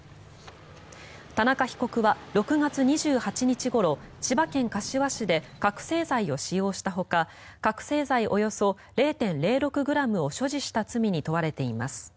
田中被告は６月２８日ごろ千葉県柏市で覚醒剤を使用したほか覚醒剤およそ０．０６ｇを所持した罪に問われています。